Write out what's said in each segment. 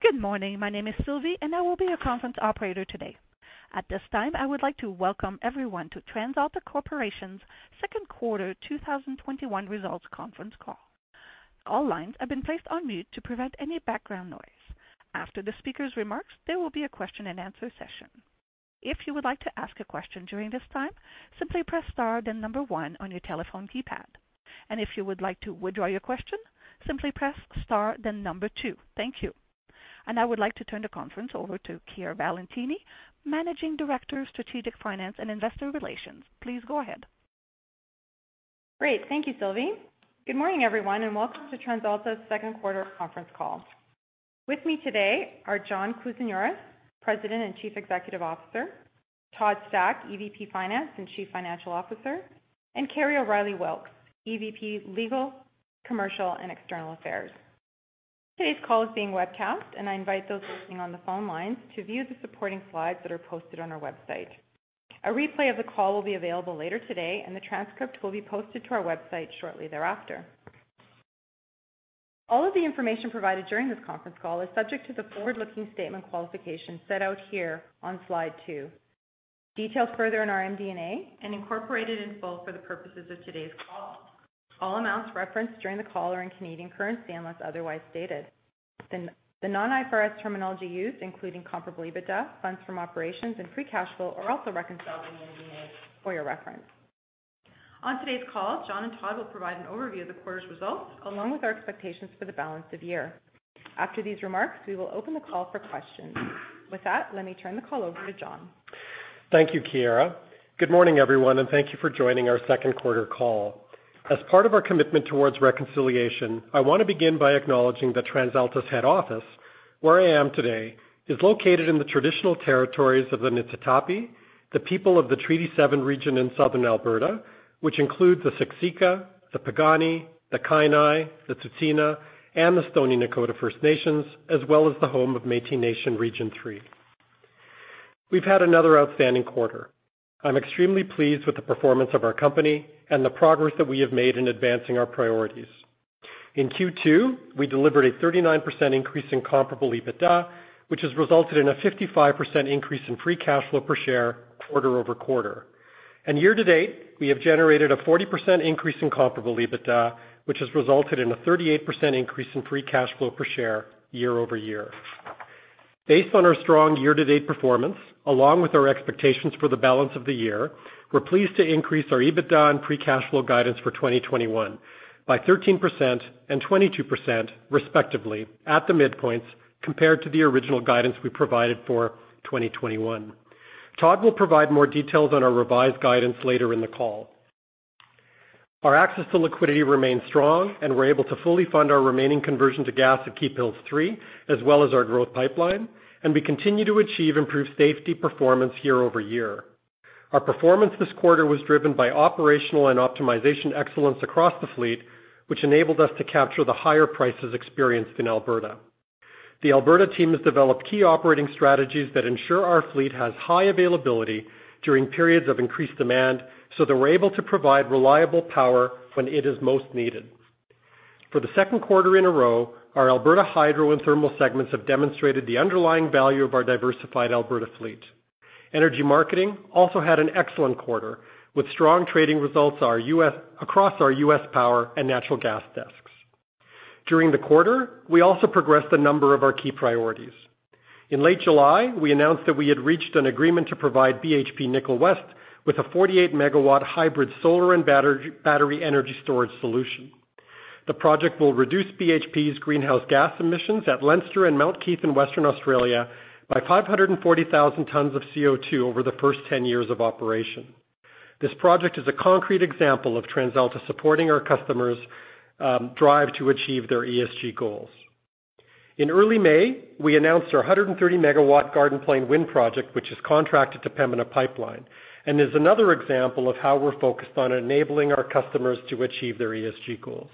Good morning. My name is Sylvie, I will be your conference operator today. At this time, I would like to welcome everyone to TransAlta Corporation's second quarter 2021 results conference call. All lines have been placed on mute to prevent any background noise. After the speaker's remarks, there will be a question and answer session. If you would like to ask a question during this time, simply press star then number one on your telephone keypad. If you would like to withdraw your question, simply press star then number two. Thank you. I would like to turn the conference over to Chiara Valentini, Managing Director of Strategic Finance and Investor Relations. Please go ahead. Great. Thank you, Sylvie. Good morning, everyone, and welcome to TransAlta's second quarter conference call. With me today are John Kousinioris, President and Chief Executive Officer, Todd Stack, EVP Finance and Chief Financial Officer, and Kerry O'Reilly Wilks, EVP Legal, Commercial, and External Affairs. Today's call is being webcast, and I invite those listening on the phone lines to view the supporting slides that are posted on our website. A replay of the call will be available later today, and the transcript will be posted to our website shortly thereafter. All of the information provided during this conference call is subject to the forward-looking statement qualification set out here on slide two, detailed further in our MD&A, and incorporated in full for the purposes of today's. All amounts referenced during the call are in Canadian currency, unless otherwise stated. The non-IFRS terminology used, including comparable EBITDA, funds from operations, and free cash flow, are also reconciled in the MD&A for your reference. On today's call, John and Todd will provide an overview of the quarter's results, along with our expectations for the balance of the year. After these remarks, we will open the call for questions. With that, let me turn the call over to John. Thank you, Chiara. Good morning, everyone, thank you for joining our second quarter call. As part of our commitment towards reconciliation, I want to begin by acknowledging that TransAlta's head office, where I am today, is located in the traditional territories of the Niitsitapi, the people of the Treaty 7 region in Southern Alberta, which include the Siksika, the Piikani, the Kainai, the Tsuut'ina, and the Stoney Nakoda First Nations, as well as the home of Métis Nation Region 3. We've had another outstanding quarter. I'm extremely pleased with the performance of our company and the progress that we have made in advancing our priorities. In Q2, we delivered a 39% increase in comparable EBITDA, which has resulted in a 55% increase in free cash flow per share quarter-over-quarter. Year-to-date, we have generated a 40% increase in comparable EBITDA, which has resulted in a 38% increase in free cash flow per share year-over-year. Based on our strong year-to-date performance, along with our expectations for the balance of the year, we're pleased to increase our EBITDA and free cash flow guidance for 2021 by 13% and 22% respectively at the midpoints compared to the original guidance we provided for 2021. Todd will provide more details on our revised guidance later in the call. Our access to liquidity remains strong, and we're able to fully fund our remaining conversion to gas at Keephills 3, as well as our growth pipeline, and we continue to achieve improved safety performance year-over-year. Our performance this quarter was driven by operational and optimization excellence across the fleet, which enabled us to capture the higher prices experienced in Alberta. The Alberta team has developed key operating strategies that ensure our fleet has high availability during periods of increased demand, so that we're able to provide reliable power when it is most needed. For the second quarter in a row, our Alberta hydro and thermal segments have demonstrated the underlying value of our diversified Alberta fleet. Energy marketing also had an excellent quarter, with strong trading results across our U.S. power and natural gas desks. During the quarter, we also progressed the number of our key priorities. In late July, we announced that we had reached an agreement to provide BHP Nickel West with a 48 MW hybrid solar and battery energy storage solution. The project will reduce BHP's greenhouse gas emissions at Leinster and Mount Keith in Western Australia by 540,000 tons of CO2 over the first 10 years of operation. This project is a concrete example of TransAlta supporting our customers drive to achieve their ESG goals. In early May, we announced our 130 MW Garden Plain wind project, which is contracted to Pembina Pipeline and is another example of how we're focused on enabling our customers to achieve their ESG goals.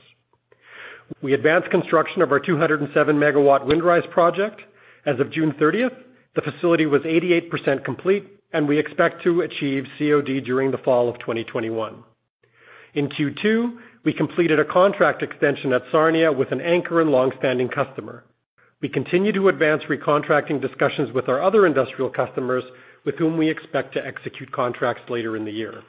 We advanced construction of our 207 MW Windrise project. As of June 30th, the facility was 88% complete, and we expect to achieve COD during the fall of 2021. In Q2, we completed a contract extension at Sarnia with an anchor and longstanding customer. We continue to advance recontracting discussions with our other industrial customers with whom we expect to execute contracts later in the year.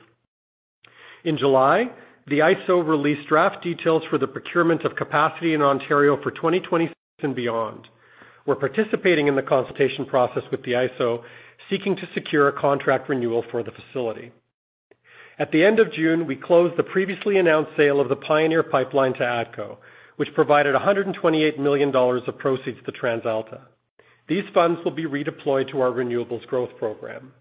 In July, the IESO released draft details for the procurement of capacity in Ontario for 2026 and beyond. We're participating in the consultation process with the IESO, seeking to secure a contract renewal for the facility. At the end of June, we closed the previously announced sale of the Pioneer Pipeline to ATCO, which provided 128 million dollars of proceeds to TransAlta. These funds will be redeployed to our renewables growth program.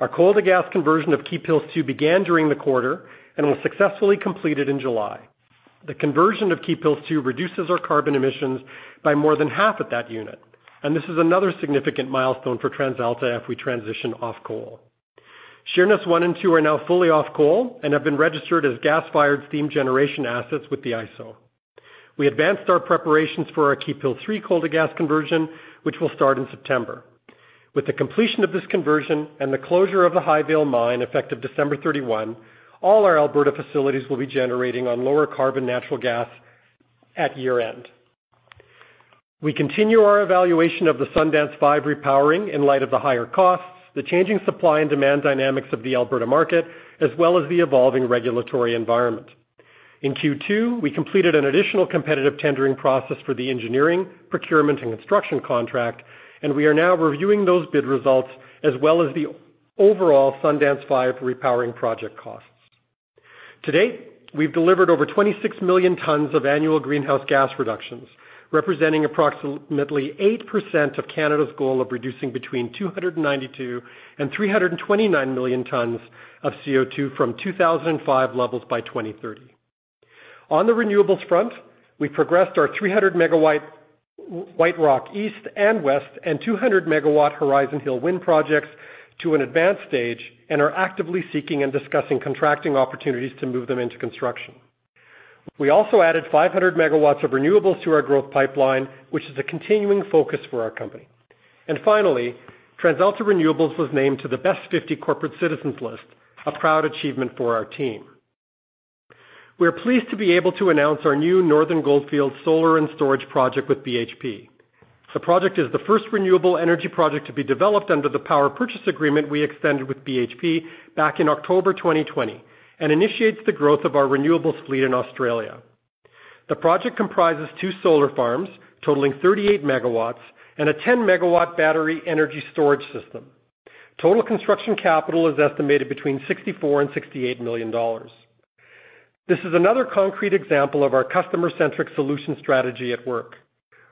Our coal to gas conversion of Keephills 2 began during the quarter and was successfully completed in July. The conversion of Keephills 2 reduces our carbon emissions by more than half at that unit, and this is another significant milestone for TransAlta as we transition off coal. Sheerness 1 and 2 are now fully off coal and have been registered as gas-fired steam generation assets with the IESO. We advanced our preparations for our Keephills 3 coal to gas conversion, which will start in September. With the completion of this conversion and the closure of the Highvale Mine, effective December 31, all our Alberta facilities will be generating on lower carbon natural gas at year-end. We continue our evaluation of the Sundance 5 Repowering in light of the higher costs, the changing supply and demand dynamics of the Alberta market, as well as the evolving regulatory environment. In Q2, we completed an additional competitive tendering process for the engineering, procurement, and construction contract, and we are now reviewing those bid results, as well as the overall Sundance 5 Repowering project costs. To date, we've delivered over 26 million tons of annual greenhouse gas reductions, representing approximately 8% of Canada's goal of reducing between 292 and 329 million tons of CO2 from 2005 levels by 2030. On the renewables front, we progressed our 300 MW White Rock East and West and 200 MW Horizon Hill wind projects to an advanced stage and are actively seeking and discussing contracting opportunities to move them into construction. We also added 500 MW of renewables to our growth pipeline, which is a continuing focus for our company. Finally, TransAlta Renewables was named to the Best 50 Corporate Citizens list, a proud achievement for our team. We are pleased to be able to announce our new Northern Goldfields solar and storage project with BHP. The project is the first renewable energy project to be developed under the power purchase agreement we extended with BHP back in October 2020 and initiates the growth of our renewables fleet in Australia. The project comprises two solar farms totaling 38 MW and a 10 MW battery energy storage system. Total construction capital is estimated between 64 million and 68 million dollars. This is another concrete example of our customer-centric solution strategy at work.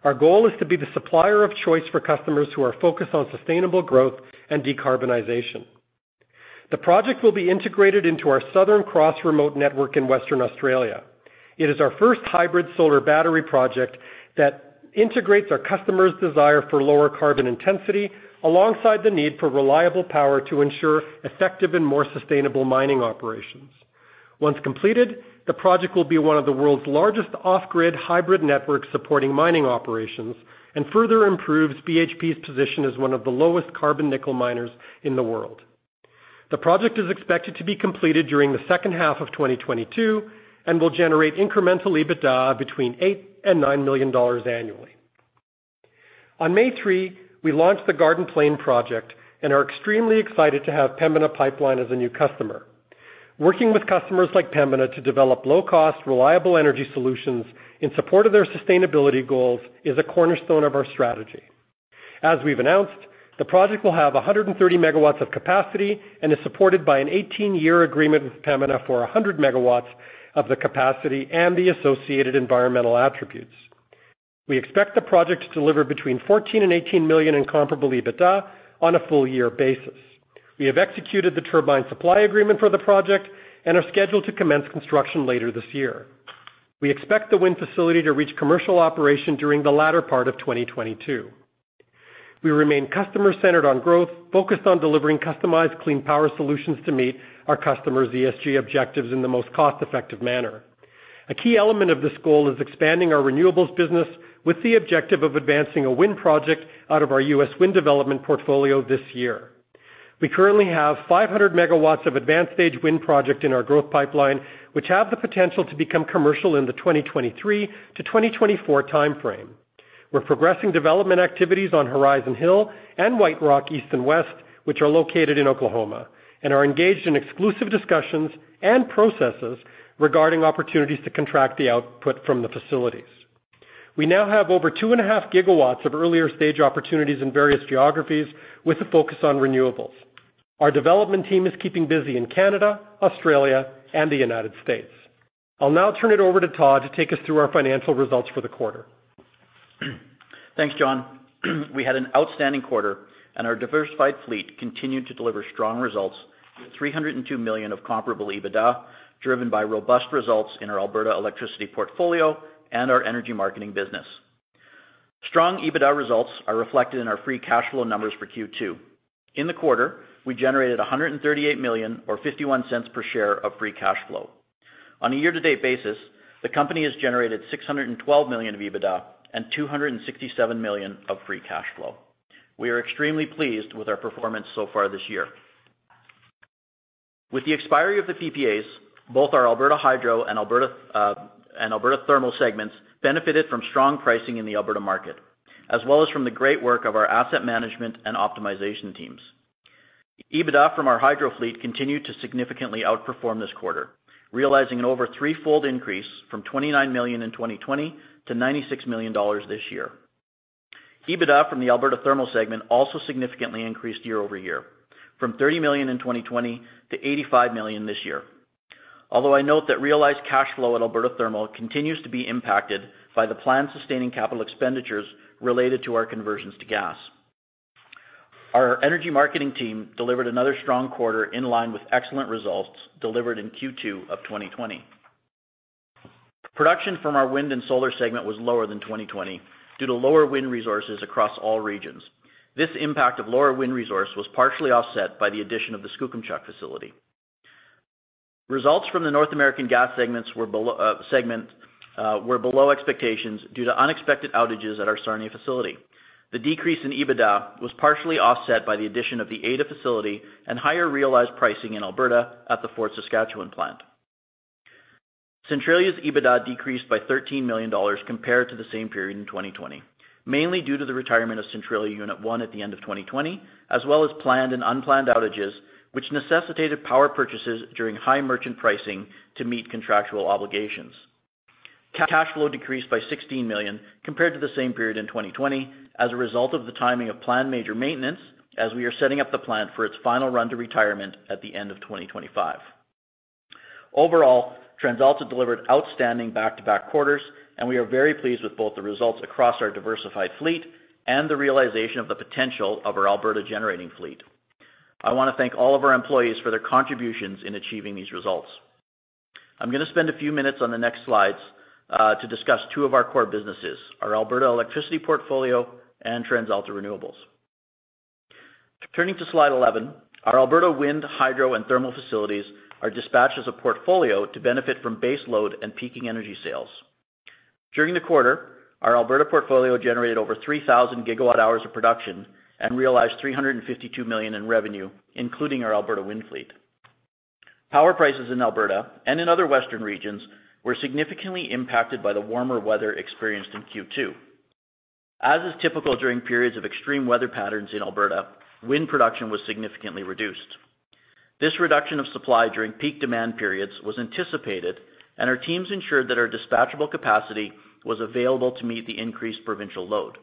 Our goal is to be the supplier of choice for customers who are focused on sustainable growth and decarbonization. The project will be integrated into our Southern Cross remote network in Western Australia. It is our first hybrid solar battery project that integrates our customer's desire for lower carbon intensity alongside the need for reliable power to ensure effective and more sustainable mining operations. Once completed, the project will be one of the world's largest off-grid hybrid networks supporting mining operations and further improves BHP's position as one of the lowest carbon nickel miners in the world. The project is expected to be completed during the second half of 2022 and will generate incremental EBITDA between 8 million and 9 million dollars annually. On May 3, we launched the Garden Plain project and are extremely excited to have Pembina Pipeline as a new customer. Working with customers like Pembina to develop low-cost, reliable energy solutions in support of their sustainability goals is a cornerstone of our strategy. As we've announced, the project will have 130 MW of capacity and is supported by an 18-year agreement with Pembina for 100 MW of the capacity and the associated environmental attributes. We expect the project to deliver between 14 million and 18 million in comparable EBITDA on a full-year basis. We have executed the turbine supply agreement for the project and are scheduled to commence construction later this year. We expect the wind facility to reach commercial operation during the latter part of 2022. We remain customer-centered on growth, focused on delivering customized clean power solutions to meet our customers' ESG objectives in the most cost-effective manner. A key element of this goal is expanding our renewables business with the objective of advancing a wind project out of our U.S. wind development portfolio this year. We currently have 500 MW of advanced-stage wind project in our growth pipeline, which have the potential to become commercial in the 2023-2024 timeframe. We're progressing development activities on Horizon Hill and White Rock East and West, which are located in Oklahoma, and are engaged in exclusive discussions and processes regarding opportunities to contract the output from the facilities. We now have over 2.5 GW of earlier-stage opportunities in various geographies with a focus on renewables. Our development team is keeping busy in Canada, Australia, and the United States. I'll now turn it over to Todd to take us through our financial results for the quarter. Thanks, John. We had an outstanding quarter, and our diversified fleet continued to deliver strong results with 302 million of comparable EBITDA, driven by robust results in our Alberta electricity portfolio and our energy marketing business. Strong EBITDA results are reflected in our free cash flow numbers for Q2. In the quarter, we generated 138 million or 0.51 per share of free cash flow. On a year-to-date basis, the company has generated 612 million of EBITDA and 267 million of free cash flow. We are extremely pleased with our performance so far this year. With the expiry of the PPAs, both our Alberta Hydro and Alberta Thermal segments benefited from strong pricing in the Alberta market, as well as from the great work of our asset management and optimization teams. EBITDA from our hydro fleet continued to significantly outperform this quarter, realizing an over threefold increase from 29 million in 2020 to 96 million dollars this year. EBITDA from the Alberta Thermal segment also significantly increased year-over-year, from 30 million in 2020 to 85 million this year. Although I note that realized cash flow at Alberta Thermal continues to be impacted by the planned sustaining capital expenditures related to our conversions to gas. Our energy marketing team delivered another strong quarter in line with excellent results delivered in Q2 of 2020. Production from our wind and solar segment was lower than 2020 due to lower wind resources across all regions. This impact of lower wind resource was partially offset by the addition of the Skookumchuck facility. Results from the North American gas segment were below expectations due to unexpected outages at our Sarnia facility. The decrease in EBITDA was partially offset by the addition of the Ada facility and higher realized pricing in Alberta at the Fort Saskatchewan plant. Centralia's EBITDA decreased by 13 million dollars compared to the same period in 2020, mainly due to the retirement of Centralia Unit 1 at the end of 2020, as well as planned and unplanned outages, which necessitated power purchases during high merchant pricing to meet contractual obligations. Cash flow decreased by 16 million compared to the same period in 2020 as a result of the timing of planned major maintenance, as we are setting up the plant for its final run to retirement at the end of 2025. Overall, TransAlta delivered outstanding back-to-back quarters, and we are very pleased with both the results across our diversified fleet and the realization of the potential of our Alberta generating fleet. I want to thank all of our employees for their contributions in achieving these results. I'm going to spend a few minutes on the next slides to discuss two of our core businesses, our Alberta electricity portfolio and TransAlta Renewables. Turning to slide 11, our Alberta wind, hydro, and thermal facilities are dispatched as a portfolio to benefit from base load and peaking energy sales. During the quarter, our Alberta portfolio generated over 3,000 GWh of production and realized 352 million in revenue, including our Alberta wind fleet. Power prices in Alberta and in other western regions were significantly impacted by the warmer weather experienced in Q2. As is typical during periods of extreme weather patterns in Alberta, wind production was significantly reduced. This reduction of supply during peak demand periods was anticipated, and our teams ensured that our dispatchable capacity was available to meet the increased provincial load.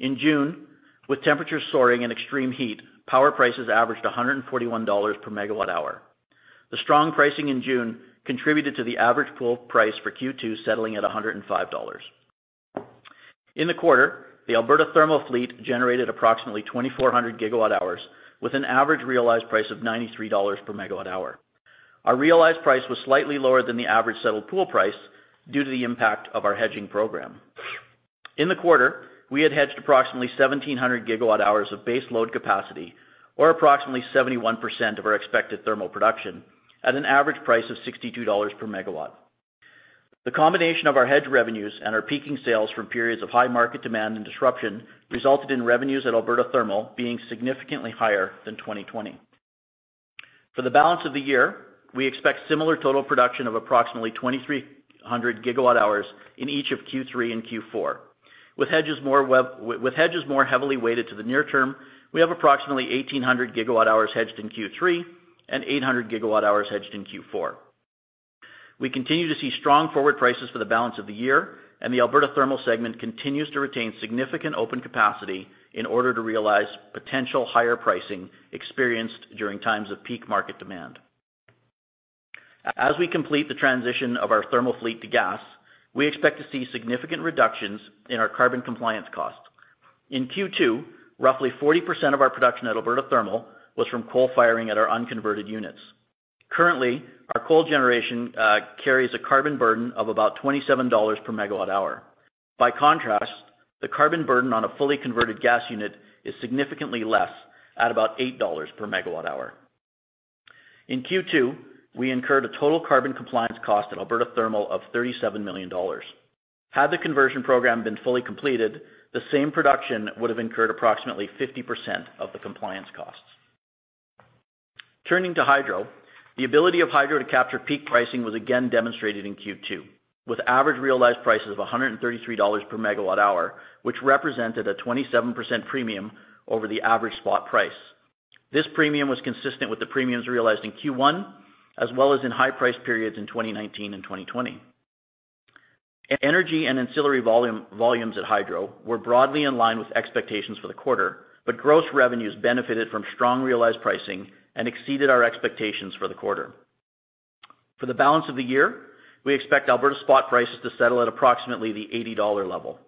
In June, with temperatures soaring and extreme heat, power prices averaged 141 dollars per MWh. The strong pricing in June contributed to the average pool price for Q2 settling at 105 dollars. In the quarter, the Alberta thermal fleet generated approximately 2,400 GWh with an average realized price of 93 dollars per MWh. Our realized price was slightly lower than the average settled pool price due to the impact of our hedging program. In the quarter, we had hedged approximately 1,700 GWh of base load capacity or approximately 71% of our expected thermal production at an average price of 62 dollars per MW. The combination of our hedged revenues and our peaking sales from periods of high market demand and disruption resulted in revenues at Alberta thermal being significantly higher than 2020. For the balance of the year, we expect similar total production of approximately 2,300 GWh in each of Q3 and Q4. With hedges more heavily weighted to the near term, we have approximately 1,800 GWh hedged in Q3 and 800 GWh hedged in Q4. We continue to see strong forward prices for the balance of the year. The Alberta thermal segment continues to retain significant open capacity in order to realize potential higher pricing experienced during times of peak market demand. As we complete the transition of our thermal fleet to gas, we expect to see significant reductions in our carbon compliance cost. In Q2, roughly 40% of our production at Alberta thermal was from coal firing at our unconverted units. Currently, our coal generation carries a carbon burden of about 27 dollars per MWh. By contrast, the carbon burden on a fully converted gas unit is significantly less, at about 8 dollars per MWh. In Q2, we incurred a total carbon compliance cost at Alberta thermal of 37 million dollars. Had the conversion program been fully completed, the same production would have incurred approximately 50% of the compliance costs. Turning to hydro, the ability of hydro to capture peak pricing was again demonstrated in Q2, with average realized prices of 133 dollars per MWh, which represented a 27% premium over the average spot price. This premium was consistent with the premiums realized in Q1, as well as in high-price periods in 2019 and 2020. Energy and ancillary volumes at hydro were broadly in line with expectations for the quarter, but gross revenues benefited from strong realized pricing and exceeded our expectations for the quarter. For the balance of the year, we expect Alberta spot prices to settle at approximately the 80 dollar level.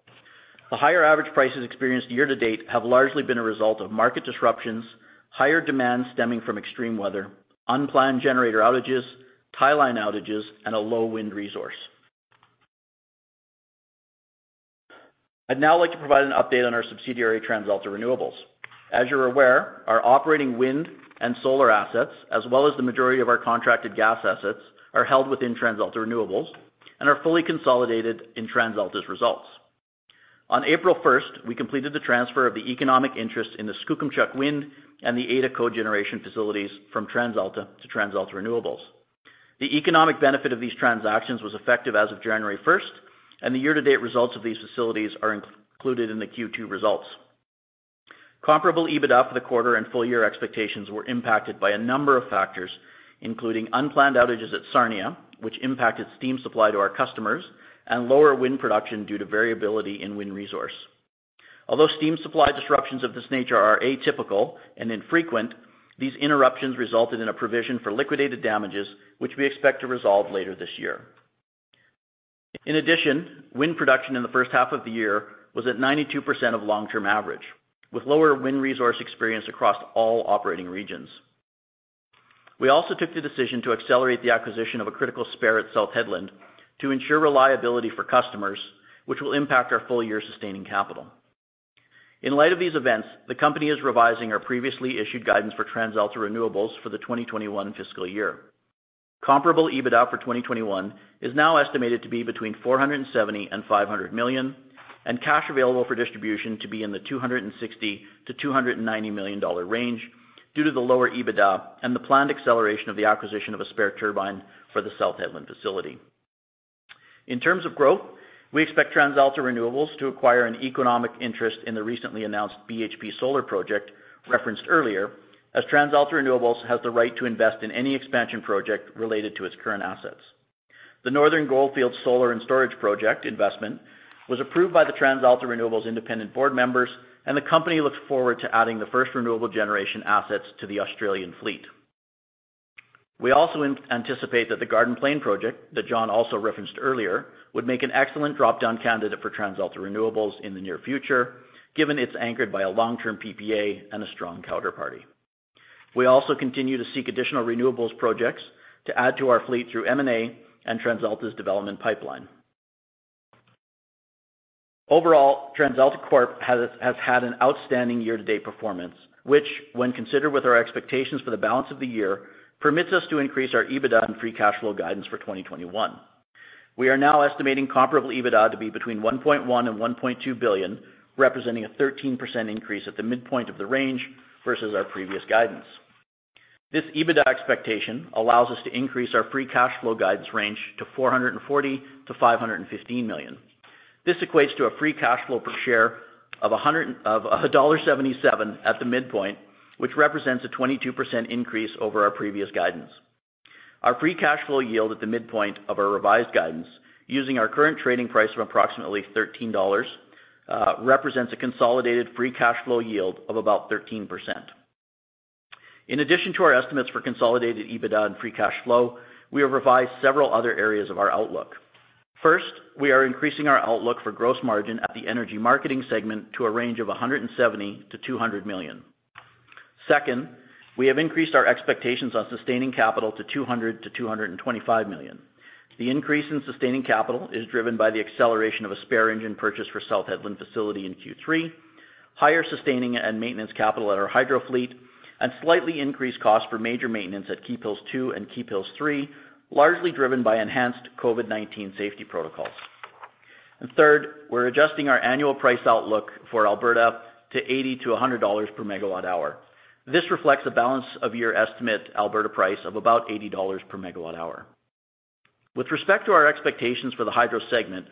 The higher average prices experienced year-to-date have largely been a result of market disruptions, higher demand stemming from extreme weather, unplanned generator outages, tie line outages, and a low wind resource. I'd now like to provide an update on our subsidiary, TransAlta Renewables. As you're aware, our operating wind and solar assets, as well as the majority of our contracted gas assets, are held within TransAlta Renewables and are fully consolidated in TransAlta's results. On April 1st, we completed the transfer of the economic interest in the Skookumchuck Wind and the Ada Cogeneration facilities from TransAlta to TransAlta Renewables. The economic benefit of these transactions was effective as of January 1st, and the year-to-date results of these facilities are included in the Q2 results. Comparable EBITDA for the quarter and full-year expectations were impacted by a number of factors, including unplanned outages at Sarnia, which impacted steam supply to our customers and lower wind production due to variability in wind resource. Although steam supply disruptions of this nature are atypical and infrequent, these interruptions resulted in a provision for liquidated damages, which we expect to resolve later this year. In addition, wind production in the first half of the year was at 92% of long-term average, with lower wind resource experience across all operating regions. We also took the decision to accelerate the acquisition of a critical spare at South Hedland to ensure reliability for customers, which will impact our full-year sustaining capital. In light of these events, the company is revising our previously issued guidance for TransAlta Renewables for the 2021 fiscal year. Comparable EBITDA for 2021 is now estimated to be between 470 million and 500 million, cash available for distribution to be in the 260 million-290 million dollar range due to the lower EBITDA and the planned acceleration of the acquisition of a spare turbine for the South Hedland facility. In terms of growth, we expect TransAlta Renewables to acquire an economic interest in the recently announced BHP solar project referenced earlier, as TransAlta Renewables has the right to invest in any expansion project related to its current assets. The Northern Goldfields solar and storage project investment was approved by the TransAlta Renewables independent board members. The company looks forward to adding the first renewable generation assets to the Australian fleet. We also anticipate that the Garden Plain project, that John also referenced earlier, would make an excellent drop-down candidate for TransAlta Renewables in the near future, given it is anchored by a long-term PPA and a strong counterparty. We also continue to seek additional renewables projects to add to our fleet through M&A and TransAlta's development pipeline. Overall, TransAlta Corp has had an outstanding year-to-date performance, which, when considered with our expectations for the balance of the year, permits us to increase our EBITDA and free cash flow guidance for 2021. We are now estimating comparable EBITDA to be between 1.1 billion and 1.2 billion, representing a 13% increase at the midpoint of the range versus our previous guidance. This EBITDA expectation allows us to increase our free cash flow guidance range to 440 million to 515 million. This equates to a free cash flow per share of 1.77 dollar at the midpoint, which represents a 22% increase over our previous guidance. Our free cash flow yield at the midpoint of our revised guidance, using our current trading price of approximately 13 dollars, represents a consolidated free cash flow yield of about 13%. In addition to our estimates for consolidated EBITDA and free cash flow, we have revised several other areas of our outlook. First, we are increasing our outlook for gross margin at the energy marketing segment to a range of 170 million-200 million. Second, we have increased our expectations on sustaining capital to 200 million-225 million. The increase in sustaining capital is driven by the acceleration of a spare engine purchase for South Hedland facility in Q3, higher sustaining and maintenance capital at our hydro fleet, and slightly increased cost for major maintenance at Keephills 2 and Keephills 3, largely driven by enhanced COVID-19 safety protocols. Third, we're adjusting our annual price outlook for Alberta to 80-100 dollars per MWh. This reflects a balance-of-year estimate Alberta price of about 80 dollars per MWh. With respect to our expectations for the hydro segment,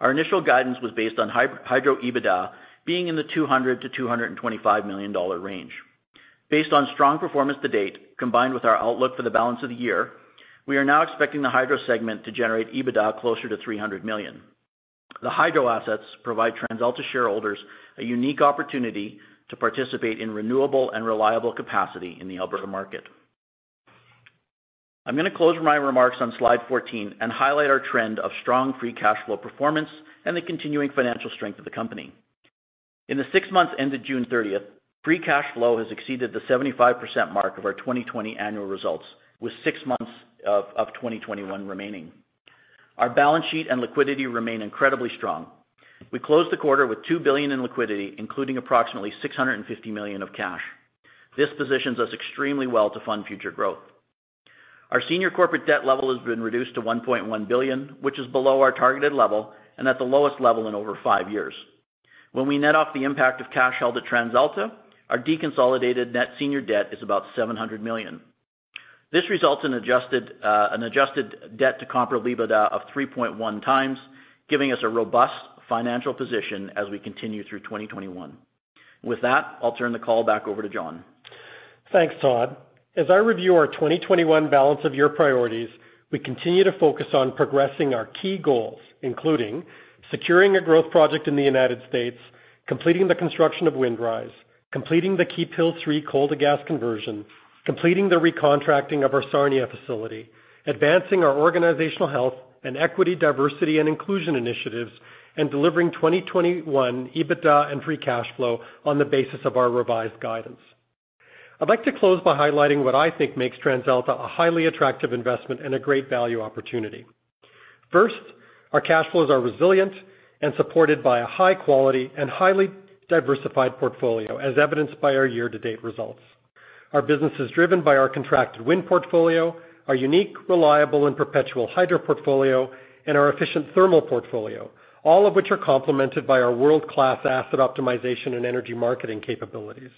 our initial guidance was based on hydro EBITDA being in the 200 million-225 million dollar range. Based on strong performance to date, combined with our outlook for the balance of the year, we are now expecting the hydro segment to generate EBITDA closer to 300 million. The hydro assets provide TransAlta shareholders a unique opportunity to participate in renewable and reliable capacity in the Alberta market. I'm going to close my remarks on slide 14 and highlight our trend of strong free cash flow performance and the continuing financial strength of the company. In the six months ended June 30th, free cash flow has exceeded the 75% mark of our 2020 annual results, with six months of 2021 remaining. Our balance sheet and liquidity remain incredibly strong. We closed the quarter with 2 billion in liquidity, including approximately 650 million of cash. This positions us extremely well to fund future growth. Our senior corporate debt level has been reduced to 1.1 billion, which is below our targeted level and at the lowest level in over five years. When we net off the impact of cash held at TransAlta, our deconsolidated net senior debt is about 700 million. This results in an adjusted debt to comparable EBITDA of 3.1x, giving us a robust financial position as we continue through 2021. With that, I'll turn the call back over to John. Thanks, Todd. As I review our 2021 balance-of-year priorities, we continue to focus on progressing our key goals, including securing a growth project in the United States, completing the construction of Windrise, completing the Keephills 3 coal-to-gas conversion, completing the recontracting of our Sarnia facility, advancing our organizational health and equity, diversity, and inclusion initiatives, and delivering 2021 EBITDA and free cash flow on the basis of our revised guidance. I'd like to close by highlighting what I think makes TransAlta a highly attractive investment and a great value opportunity. First, our cash flows are resilient and supported by a high-quality and highly diversified portfolio, as evidenced by our year-to-date results. Our business is driven by our contracted wind portfolio, our unique, reliable, and perpetual hydro portfolio, and our efficient thermal portfolio, all of which are complemented by our world-class asset optimization and energy marketing capabilities.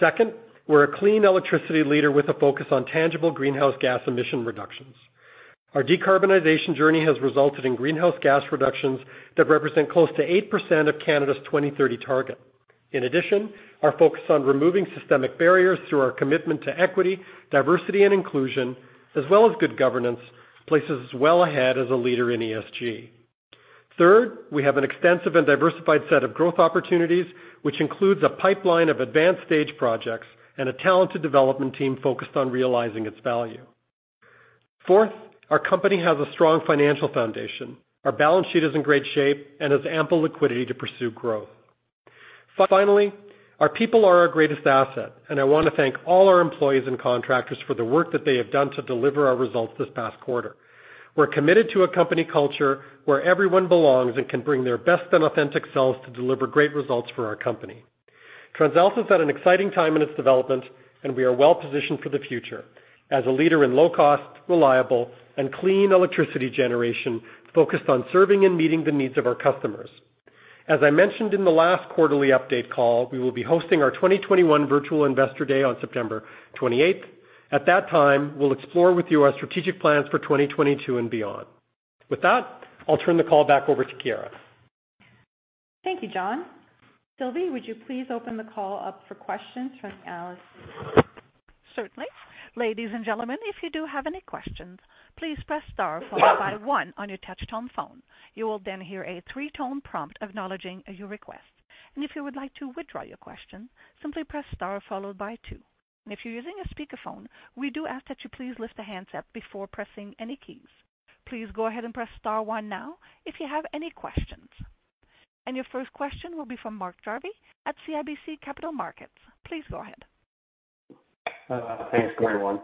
Second, we're a clean electricity leader with a focus on tangible greenhouse gas emission reductions. Our decarbonization journey has resulted in greenhouse gas reductions that represent close to 8% of Canada's 2030 target. In addition, our focus on removing systemic barriers through our commitment to equity, diversity, and inclusion, as well as good governance, places us well ahead as a leader in ESG. Third, we have an extensive and diversified set of growth opportunities, which includes a pipeline of advanced stage projects and a talented development team focused on realizing its value. Fourth, our company has a strong financial foundation. Our balance sheet is in great shape and has ample liquidity to pursue growth. Finally, our people are our greatest asset, and I want to thank all our employees and contractors for the work that they have done to deliver our results this past quarter. We're committed to a company culture where everyone belongs and can bring their best and authentic selves to deliver great results for our company. TransAlta's at an exciting time in its development, and we are well-positioned for the future as a leader in low-cost, reliable, and clean electricity generation, focused on serving and meeting the needs of our customers. As I mentioned in the last quarterly update call, we will be hosting our 2021 Virtual Investor Day on September 28th. At that time, we'll explore with you our strategic plans for 2022 and beyond. With that, I'll turn the call back over to Chiara. Thank you, John. Sylvie, would you please open the call up for questions from the analysts? Certainly. Ladies and gentlemen, if you do have any questions, please press star followed by one on your touch-tone phone. You will then hear a three-tone prompt acknowledging your request. If you would like to withdraw your question, simply press star followed by two. If you're using a speakerphone, we do ask that you please lift the handset before pressing any keys. Please go ahead and press star one now if you have any questions. Your first question will be from Mark Jarvi at CIBC Capital Markets. Please go ahead. Thanks, everyone.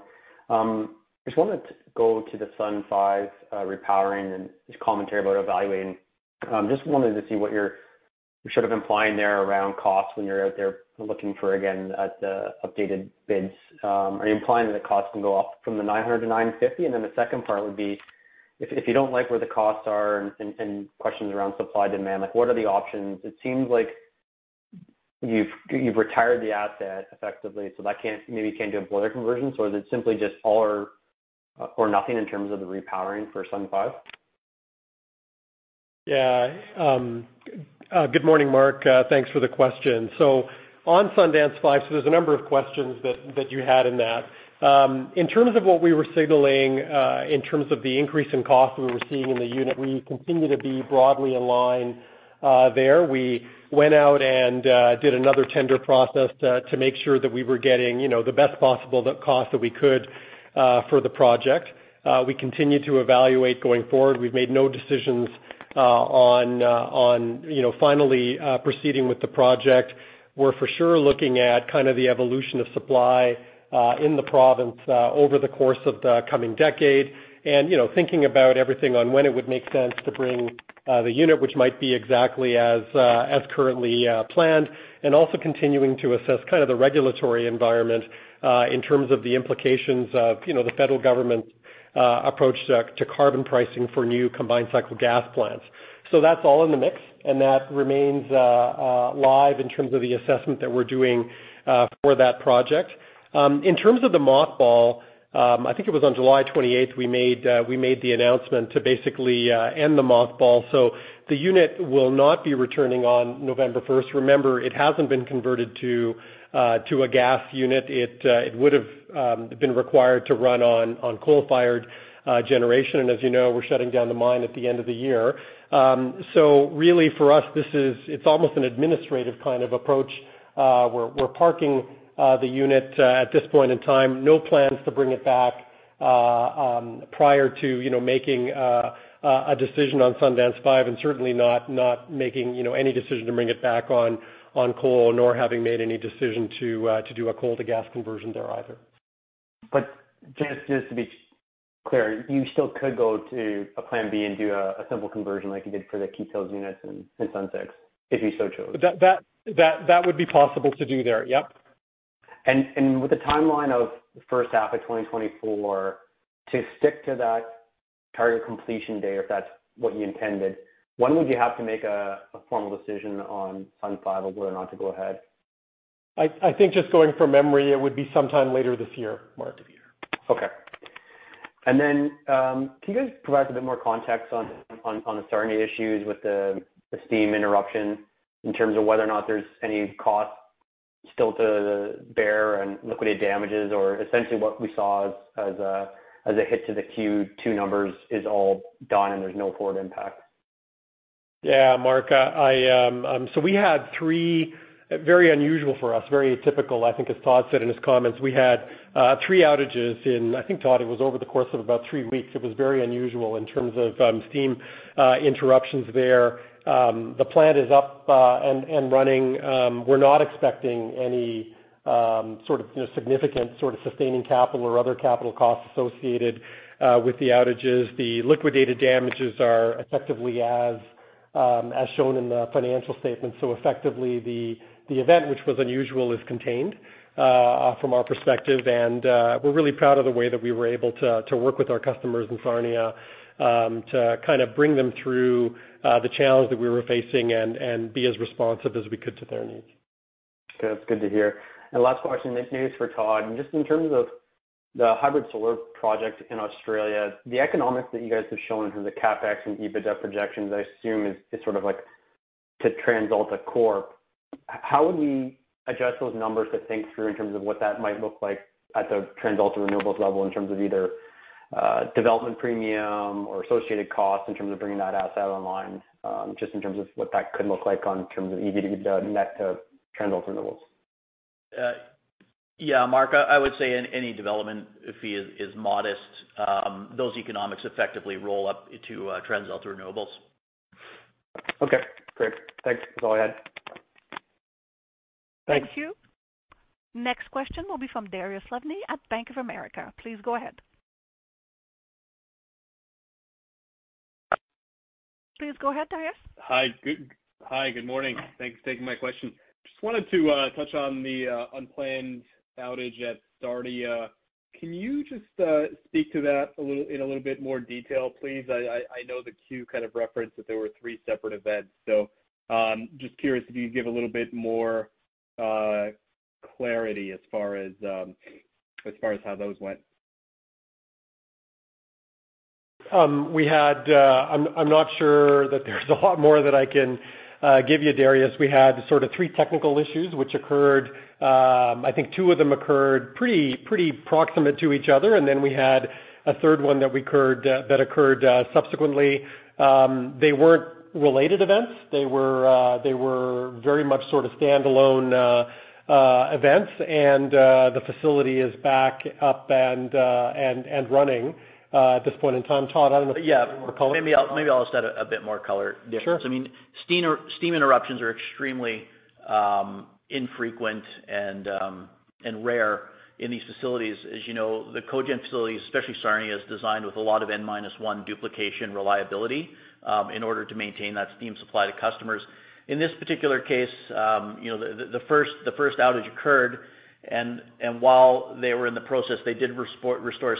Just wanted to go to the Sundance 5 repowering and just commentary about evaluating. Just wanted to see what you're sort of implying there around costs when you're out there looking for, again, the updated bids. Are you implying that the costs can go up from the 900-950? The second part would be, if you don't like where the costs are and questions around supply-demand, what are the options? It seems like you've retired the asset effectively, so that maybe you can't do a boiler conversion. Is it simply just all or nothing in terms of the repowering for Sundance 5? Yeah. Good morning, Mark. Thanks for the question. On Sundance 5, there's a number of questions that you had in that. In terms of what we were signaling in terms of the increase in costs that we were seeing in the unit, we continue to be broadly aligned there. We went out and did another tender process that to make sure that we were getting, you know, the best possible cost that we could for the project. We continue to evaluate going forward. We've made no decisions on, you know, finally proceeding with the project. We're for sure looking at kind of the evolution of supply in the province over the course of the coming decade, you know, thinking about everything on when it would make sense to bring the unit, which might be exactly as currently planned, also continuing to assess kind of the regulatory environment in terms of the implications of, you know, the federal government's approach to carbon pricing for new combined cycle gas plants. That's all in the mix, that remains live in terms of the assessment that we're doing for that project. In terms of the mothball, I think it was on July 28th, we made the announcement to basically end the mothball. The unit will not be returning on November 1st. Remember, it hasn't been converted to a gas unit. It would've been required to run on coal-fired generation. As you know, we're shutting down the mine at the end of the year. Really for us, it's almost an administrative kind of approach. We're parking the unit at this point in time. No plans to bring it back prior to making a decision on Sundance 5 and certainly not making, you know, any decision to bring it back on coal, nor having made any decision to do a coal to gas conversion there either. Just to be clear, you still could go to a plan B and do a simple conversion like you did for the Keephills units and Sundance, if you so chose? That would be possible to do there, yep. With the timeline of the first half of 2024, to stick to that target completion date, if that's what you intended, when would you have to make a formal decision on Sundance 5 of whether or not to go ahead? I think just going from memory, it would be sometime later this year, Mark. Okay. Can you guys provide a bit more context on the Sarnia issues with the steam interruption in terms of whether or not there's any cost still to bear and liquidated damages? Essentially what we saw as a hit to the Q2 numbers is all done and there's no forward impact? Yeah, Mark. We had three, very unusual for us, very atypical, I think as Todd said in his comments. We had three outages in, I think, Todd, it was over the course of about three weeks. It was very unusual in terms of steam interruptions there. The plant is up and running. We're not expecting any sort of significant sort of sustaining capital or other capital costs associated with the outages. The liquidated damages are effectively as shown in the financial statements. Effectively the event, which was unusual, is contained from our perspective. We're really proud of the way that we were able to work with our customers in Sarnia, to kind of bring them through the challenge that we were facing and be as responsive as we could to their needs. Okay. That's good to hear. Last question, this is for Todd, just in terms of the hybrid solar project in Australia, the economics that you guys have shown in terms of CapEx and EBITDA projections, I assume is sort of like to TransAlta Corporation. How would we adjust those numbers to think through in terms of what that might look like at the TransAlta Renewables level in terms of either development premium or associated costs in terms of bringing that asset online? Just in terms of what that could look like in terms of EBITDA net to TransAlta Renewables? Yeah, Mark, I would say any development fee is modest. Those economics effectively roll up into TransAlta Renewables. Okay, great. Thanks. Go ahead. Thank you. Next question will be from Dariusz Lozny at Bank of America. Please go ahead. Please go ahead, Dariusz. Hi. Good morning. Thanks for taking my question. Just wanted to touch on the unplanned outage at Sarnia. Can you just speak to that in a little bit more detail, please? I know the queue kind of referenced that there were three separate events, so just curious if you could give a little bit more clarity as far as how those went. We had a, I'm not sure that there's a lot more that I can give you, Dariusz. We had sort of three technical issues which occurred. I think two of them occurred pretty proximate to each other, and then we had a third one that occurred subsequently. They weren't related events. They were very much sort of standalone events. The facility is back up and running at this point in time. Todd, I don't know if- Yeah. Maybe I'll just add a bit more color, Dariusz. Sure. Steam interruptions are extremely infrequent and rare in these facilities. As you know, the cogen facilities, especially Sarnia, is designed with a lot of N-1 duplication reliability in order to maintain that steam supply to customers. In this particular case, the first outage occurred, and while they were in the process, they did restore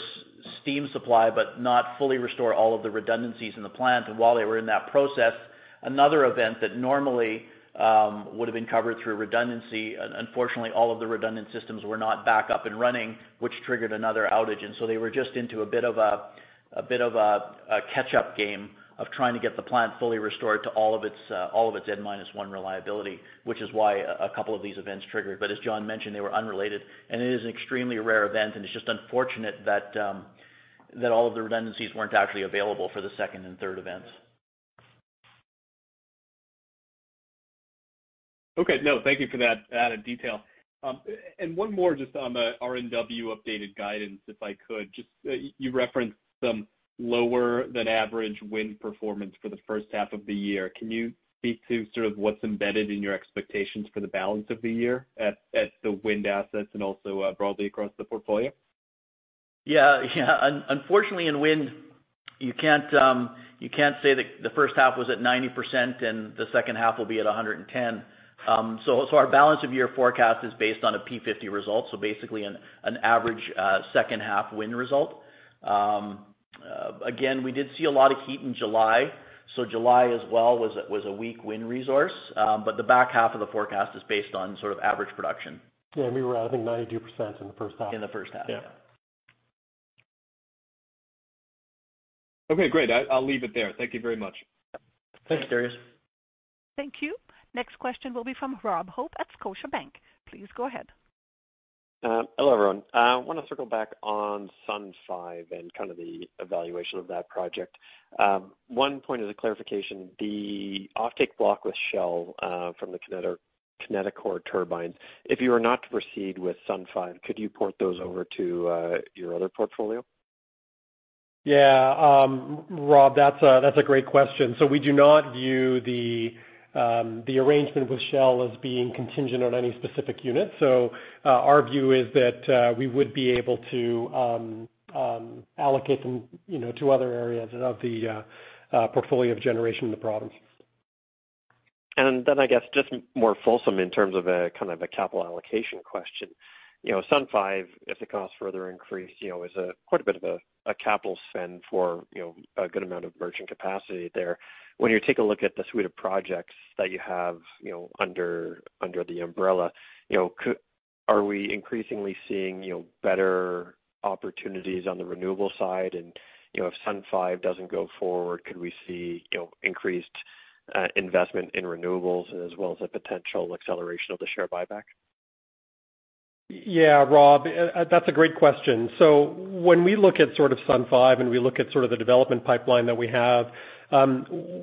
steam supply, but not fully restore all of the redundancies in the plant. While they were in that process, another event that normally would have been covered through redundancy, unfortunately, all of the redundant systems were not back up and running, which triggered another outage. They were just into a bit of a catch-up game of trying to get the plant fully restored to all of its N-1 reliability, which is why a couple of these events triggered. As John mentioned, they were unrelated, and it is an extremely rare event, and it's just unfortunate that all of the redundancies weren't actually available for the second and third events. Okay. No, thank you for that added detail. One more just on the RNW updated guidance, if I could just, you referenced some lower than average wind performance for the first half of the year. Can you speak to sort of what's embedded in your expectations for the balance of the year at the wind assets and also broadly across the portfolio? Yeah. Unfortunately, in wind, you can't say the first half was at 90% and the second half will be at 110%. Our balance of year forecast is based on a P50 result. Basically, an average second half wind result. Again, we did see a lot of heat in July. July as well was a weak wind resource. The back half of the forecast is based on sort of average production. Yeah, we were at, I think, 92% in the first half. In the first half. Yeah. Okay, great. I'll leave it there. Thank you very much. Thanks, Dariusz. Thank you. Next question will be from Rob Hope at Scotiabank. Please go ahead. Hello, everyone. I want to circle back on Sun 5 and kind of the evaluation of that project. One point of the clarification, the offtake block with Shell from the Kineticor turbines, if you were not to proceed with Sun 5, could you port those over to your other portfolio? Yeah, Rob, that's a great question. We do not view the arrangement with Shell as being contingent on any specific unit. Our view is that we would be able to allocate them to other areas of the portfolio of generation in the province. I guess, just more fulsome in terms of a capital allocation question. You know, Sun 5, if the costs further increase, is quite a bit of a capital spend for a good amount of merchant capacity there. When you take a look at the suite of projects that you have, you know, under the umbrella, are we increasingly seeing better opportunities on the renewable side? If Sun 5 doesn't go forward, could we see increased investment in renewables as well as a potential acceleration of the share buyback? Yeah, Rob, that's a great question. When we look at sort of Sun 5 and we look at sort of the development pipeline that we have,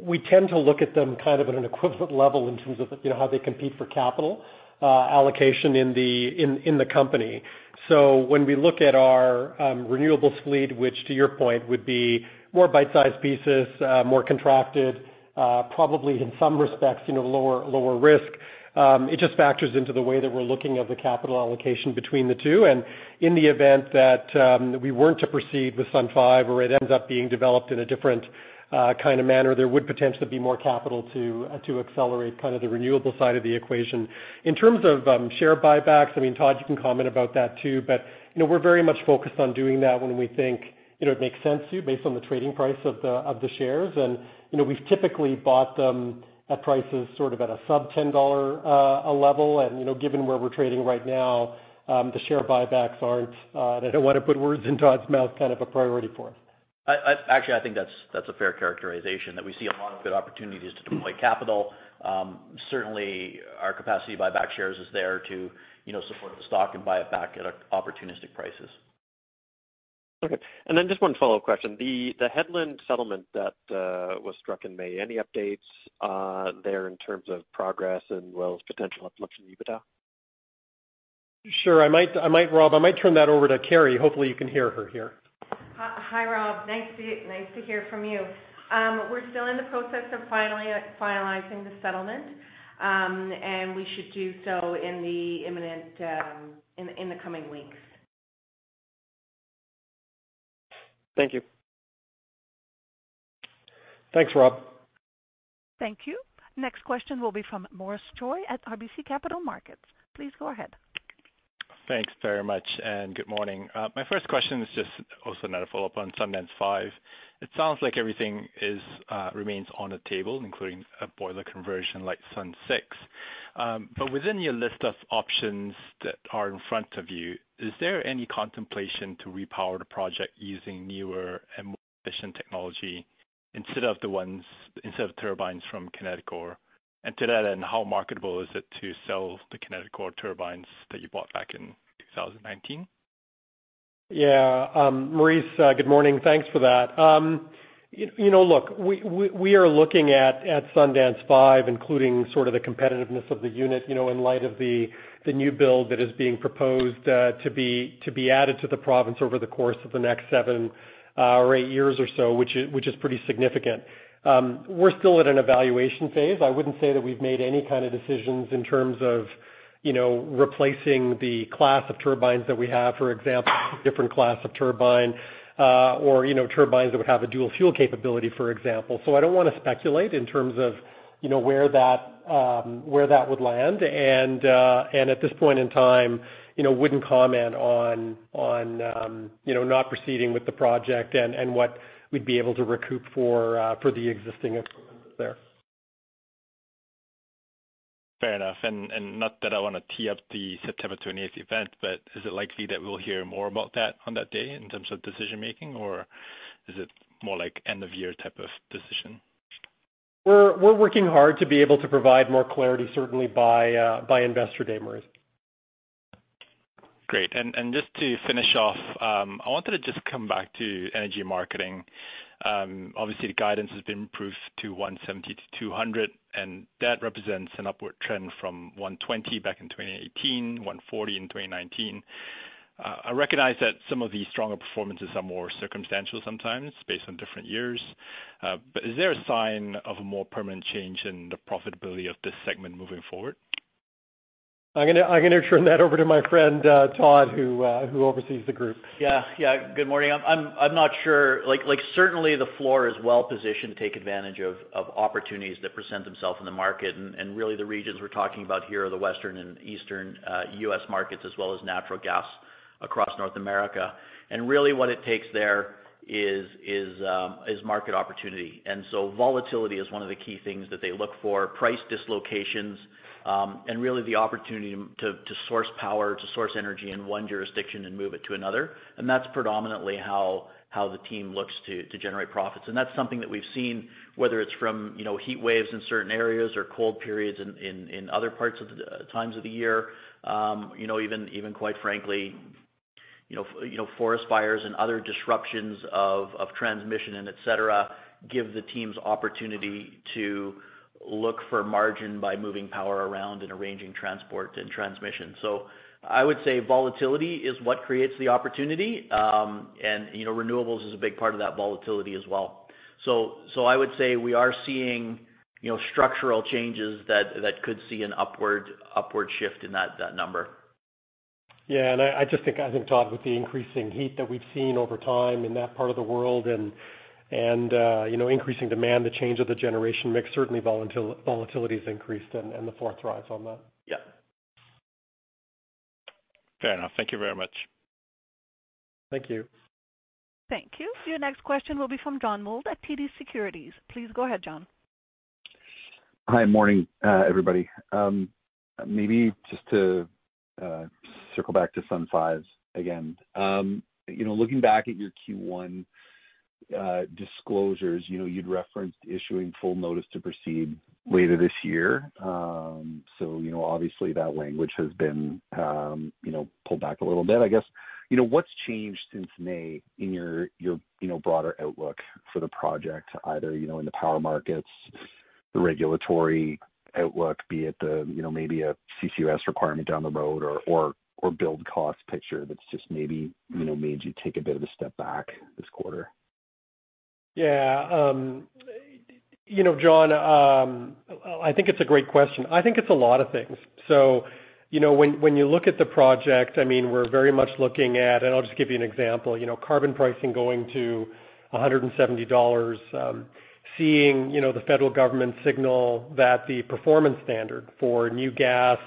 we tend to look at them kind of at an equivalent level in terms of how they compete for capital allocation in the company. When we look at our renewables lead, which to your point, would be more bite-sized pieces, more contracted, probably in some respects lower risk. It just factors into the way that we're looking at the capital allocation between the two. In the event that we weren't to proceed with Sun 5, or it ends up being developed in a different kind of manner, there would potentially be more capital to accelerate the renewable side of the equation. In terms of share buybacks, Todd, you can comment about that, too, but we're very much focused on doing that when we think it makes sense to, based on the trading price of the shares. We've typically bought them at prices sort of at a sub CAD 10 level. Given where we're trading right now, the share buybacks aren't, I don't want to put words in Todd's mouth, kind of a priority for us. Actually, I think that's a fair characterization, that we see a lot of good opportunities to deploy capital. Certainly, our capacity to buy back shares is there to support the stock and buy it back at opportunistic prices. Okay. Just one follow-up question. The Hedland settlement that was struck in May, any updates there in terms of progress as well as potential uplift in EBITDA? Sure. Rob, I might turn that over to Kerry. Hopefully, you can hear her here. Hi, Rob. Nice to hear from you. We're still in the process of finalizing the settlement, and we should do so in the imminent in the coming weeks. Thank you. Thanks, Rob. Thank you. Next question will be from Maurice Choy at RBC Capital Markets. Please go ahead. Thanks very much, and good morning. My first question is just also another follow-up on Sundance 5. It sounds like everything remains on the table, including a boiler conversion like Sun 6. Within your list of options that are in front of you, is there any contemplation to repower the project using newer and more efficient technology instead of turbines from Kineticor? To that end, how marketable is it to sell the Kineticor turbines that you bought back in 2019? Yeah. Maurice, good morning. Thanks for that. We are looking at Sundance 5, including sort of the competitiveness of the unit, in light of the new build that is being proposed to be added to the province over the course of the next seven or eight years or so, which is pretty significant. We're still at an evaluation phase. I wouldn't say that we've made any kind of decisions in terms of replacing the class of turbines that we have, for example, a different class of turbine, or turbines that would have a dual fuel capability, for example. I don't want to speculate in terms of where that would land. At this point in time, wouldn't comment on not proceeding with the project and what we'd be able to recoup for the existing equipment there. Fair enough. Not that I want to tee up the September 28th event, but is it likely that we'll hear more about that on that day in terms of decision-making, or is it more like end-of-year type of decision? We're working hard to be able to provide more clarity, certainly by Investor Day, Maurice. Just to finish off, I wanted to just come back to energy marketing. Obviously, the guidance has been improved to 170-200, and that represents an upward trend from 120 back in 2018, 140 in 2019. I recognize that some of the stronger performances are more circumstantial sometimes based on different years. Is there a sign of a more permanent change in the profitability of this segment moving forward? I'm going to turn that over to my friend, Todd, who oversees the group. Yeah. Good morning. I'm not sure. Certainly, the floor is well-positioned to take advantage of opportunities that present themselves in the market. Really, the regions we're talking about here are the Western and Eastern U.S. markets, as well as natural gas across North America. Really what it takes there is market opportunity. Volatility is one of the key things that they look for, price dislocations, and really the opportunity to source power, to source energy in one jurisdiction and move it to another. That's predominantly how the team looks to generate profits. That's something that we've seen, whether it's from heat waves in certain areas or cold periods in other times of the year. Even, quite frankly, forest fires and other disruptions of transmission and et cetera, give the teams opportunity to look for margin by moving power around and arranging transport and transmission. I would say volatility is what creates the opportunity. Renewables is a big part of that volatility as well. I would say we are seeing structural changes that could see an upward shift in that number. Yeah, I just think, Todd, with the increasing heat that we've seen over time in that part of the world and increasing demand, the change of the generation mix, certainly volatility has increased and the pool thrives on that. Yeah. Fair enough. Thank you very much. Thank you. Thank you. Your next question will be from John Mould at TD Securities. Please go ahead, John. Hi. Morning, everybody. Maybe just to circle back to Sun 5 again. Looking back at your Q1 disclosures, you'd referenced issuing full notice to proceed later this year. Obviously, that language has been pulled back a little bit, I guess. What's changed since May in your broader outlook for the project, either in the power markets, the regulatory outlook, be it maybe a CCUS requirement down the road or build cost picture that's just maybe made you take a bit of a step back this quarter? Yeah. John, I think it's a great question. I think it's a lot of things. When you look at the project, i mean, we're very much looking at, and I'll just give you an example, you know, carbon pricing going to 170 dollars. Seeing, you know, the federal government signal that the performance standard for new gas,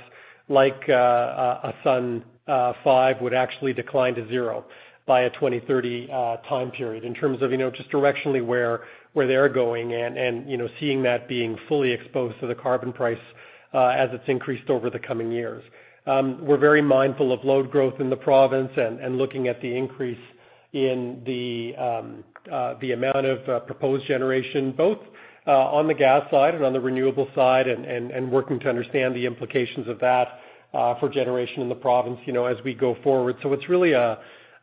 like a Sun 5, would actually decline to zero by a 2030 time period in terms of, you know, just directionally where they're going and, you know, seeing that being fully exposed to the carbon price as it's increased over the coming years. We're very mindful of load growth in the province and looking at the increase in the amount of proposed generation, both on the gas side and on the renewable side, and working to understand the implications of that for generation in the province, you know, as we go forward. It's really,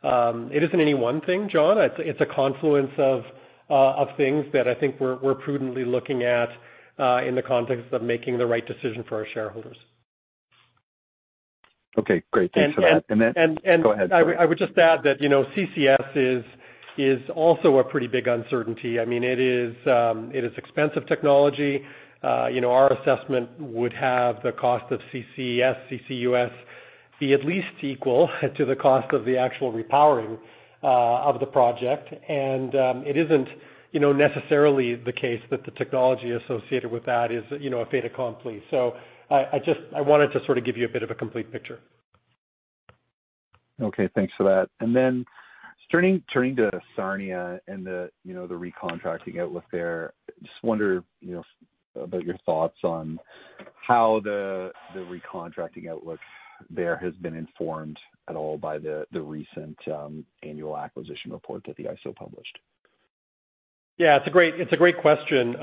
it isn't any one thing, John. I think it's a confluence of things that I think we're prudently looking at in the context of making the right decision for our shareholders. Okay, great. Thanks for that. Go ahead, sorry. I would just add that CCS is also a pretty big uncertainty. It is expensive technology. Our assessment would have the cost of CCS, CCUS be at least equal to the cost of the actual repowering of the project. It isn't, you know, necessarily the case that the technology associated with that is, you know, a fait accompli. I wanted to sort of give you a bit of a complete picture. Okay, thanks for that. Turning to Sarnia and the recontracting outlook there, just wonder about your thoughts on how the recontracting outlook there has been informed at all by the recent Annual Acquisition Report that the IESO published. Yeah, it's a great question.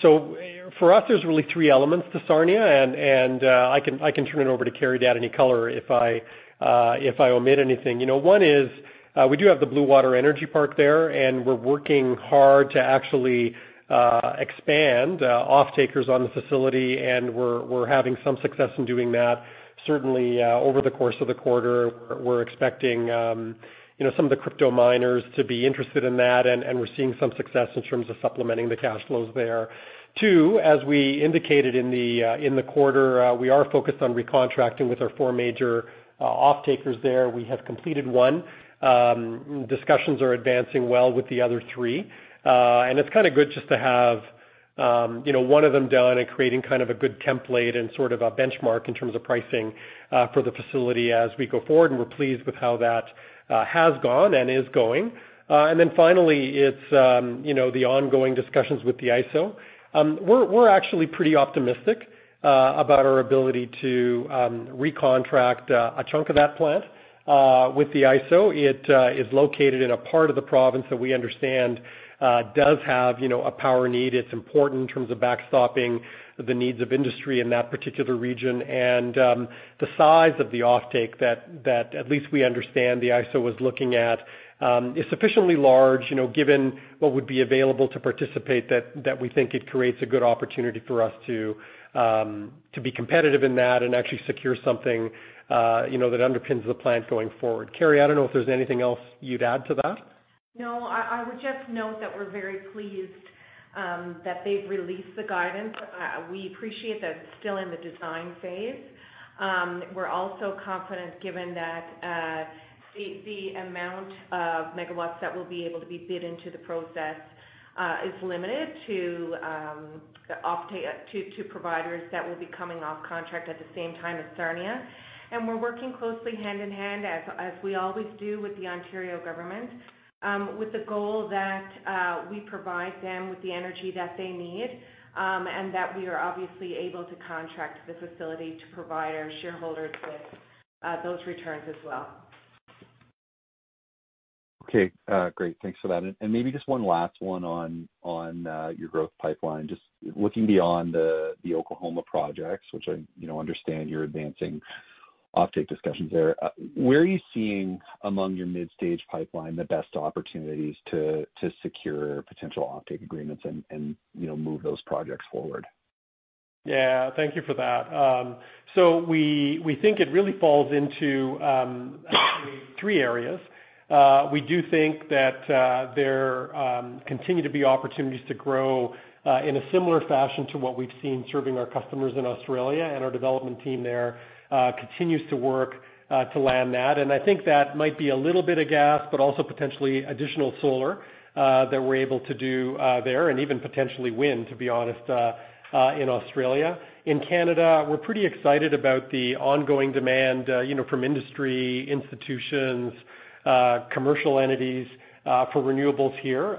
For us, there's really three elements to Sarnia, and I can turn it over to Kerry to add any color if I omit anything. One is, we do have the Bluewater Energy Park there, and we're working hard to actually expand off-takers on the facility, and we're having some success in doing that. Certainly over the course of the quarter, we're expecting some of the crypto miners to be interested in that, and we're seeing some success in terms of supplementing the cash flows there. Two, as we indicated in the quarter, we are focused on recontracting with our four major off-takers there. We have completed one. Discussions are advancing well with the other three. It's kind of good just to have, you know, one of them done and creating a good template and sort of a benchmark in terms of pricing for the facility as we go forward, and we're pleased with how that has gone and is going. Finally, it's the ongoing discussions with the IESO. We're actually pretty optimistic about our ability to recontract a chunk of that plant with the IESO. It is located in a part of the province that we understand does have a power need. It's important in terms of backstopping the needs of industry in that particular region. The size of the offtake that at least we understand the IESO was looking at is sufficiently large, given what would be available to participate, that we think it creates a good opportunity for us to be competitive in that and actually secure something, you know, that underpins the plant going forward. Kerry, I don't know if there's anything else you'd add to that. No. I would just note that we're very pleased that they've released the guidance. We appreciate that it's still in the design phase. We're also confident given that the amount of megawatts that will be able to be bid into the process is limited to providers that will be coming off contract at the same time as Sarnia. We're working closely hand-in-hand, as we always do with the Ontario government, with the goal that we provide them with the energy that they need, and that we are obviously able to contract the facility to provide our shareholders with those returns as well. Okay, great. Thanks for that. Maybe just one last one on your growth pipeline. Just looking beyond the Oklahoma projects, which I understand you're advancing offtake discussions there, where are you seeing, among your mid-stage pipeline, the best opportunities to secure potential offtake agreements and move those projects forward? Yeah, thank you for that. We think it really falls into actually three areas. We do think that there continue to be opportunities to grow in a similar fashion to what we've seen serving our customers in Australia, and our development team there continues to work to land that. I think that might be a little bit of gas, but also potentially additional solar that we're able to do there, and even potentially wind, to be honest, in Australia. In Canada, we're pretty excited about the ongoing demand from industry, institutions, commercial entities, for renewables here.